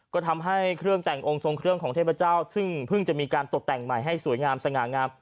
ก็ทำให้เครื่องแต่งองค์ทรงเครื่องของเทพเจ้าซึ่งเพิ่งจะมีการตกแต่งใหม่ให้สวยงามสง่างาม